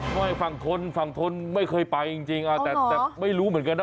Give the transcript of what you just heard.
ไม่ฝั่งทนฝั่งทนไม่เคยไปจริงแต่ไม่รู้เหมือนกันนะ